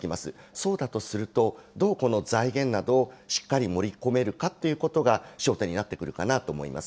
そうだとすると、どうこの財源などをしっかり盛り込めるかってことが焦点になってくるかなと思います。